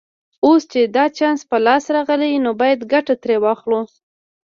اوس چې دا چانس په لاس راغلی نو باید ګټه ترې واخلو